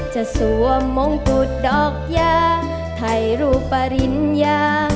จะสวมมงตุดดอกยาไถรูปริญญา